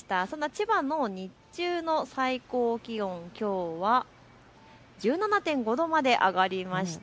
千葉も日中の最高気温、きょうは１７．５度まで上がりました。